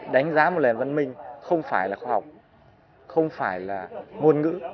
đánh giá một nền văn minh không phải là khoa học không phải là ngôn ngữ